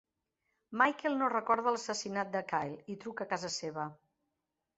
Michael no recorda l'assassinat de Kyle i truca a casa seva.